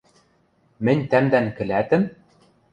Мӹнь тӓмдӓн кӹлӓтӹм?